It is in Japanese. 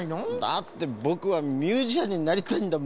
だってぼくはミュージシャンになりたいんだもん。